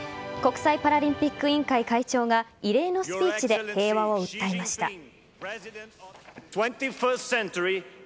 国際パラリンピック委員会会長が異例のスピーチで平和を訴えました。